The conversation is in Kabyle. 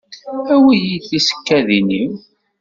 Awit-yi-d tisekkadin-iw.